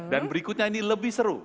dan berikutnya ini lebih seru